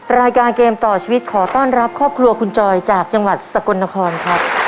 รายการเกมต่อชีวิตขอต้อนรับครอบครัวคุณจอยจากจังหวัดสกลนครครับ